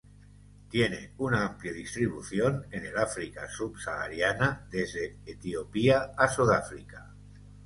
Tiene una amplia distribución en el África subsahariana, desde Etiopía a Sudáfrica.